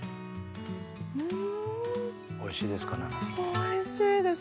おいしいです。